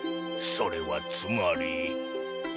それはつまり。